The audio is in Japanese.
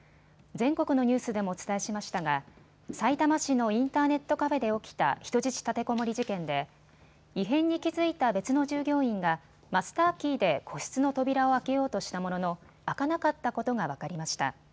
全国のニュースでもお伝えしましたがさいたま市のインターネットカフェで起きた人質立てこもり事件で異変に気付いた別の従業員がマスターキーで個室の扉を開けようとしたものの開かなかったことが分かりました。